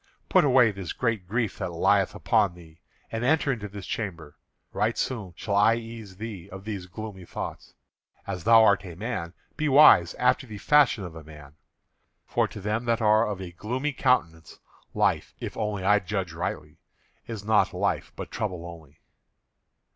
Put away this great grief that lieth upon thee, and enter into this chamber. Right soon shall I ease thee of these gloomy thoughts. As thou art a man, be wise after the fashion of a man; for to them that are of a gloomy countenance, life, if only I judge rightly, is not life but trouble only."